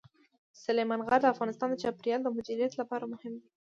سلیمان غر د افغانستان د چاپیریال د مدیریت لپاره مهم دي.